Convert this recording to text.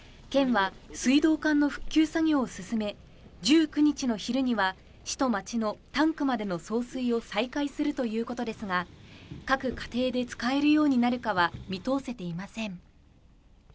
県は水道管の復旧作業を進め、１９日の昼には市と町のタンクまでの送水を再開するということですが、各家庭で使えるようになるかは見通せていません。